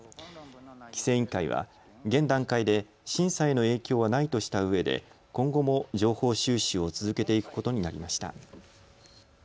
規制委員会は現段階で審査への影響はないとしたうえで今後も情報収集を続けていくことになりました。